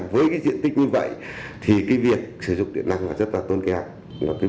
với diện tích như vậy việc sử dụng điện năng rất tôn kẹt